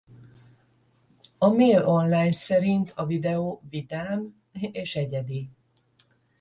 A Mail Online szerint a videó vidám és egyedi.